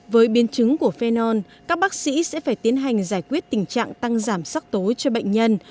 với biến chứng của phenol các bác sĩ sẽ phải tiến hành giải quyết tình trạng tăng giảm sắc tố cho bệnh nhân